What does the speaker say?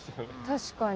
確かに。